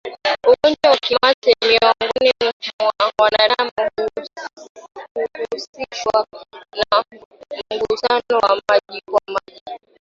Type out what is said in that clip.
ugonjwa wa kimeta miongoni mwa wanadamu huhusishwa na mgusano wa moja kwa moja